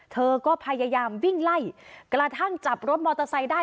เธอก็พยายามวิ่งไล่กระทั่งจับรถมอเตอร์ไซค์ได้